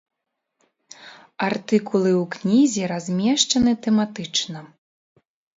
Артыкулы ў кнізе размешчаны тэматычна.